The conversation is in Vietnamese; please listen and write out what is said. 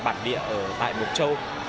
bạn địa ở tại mục châu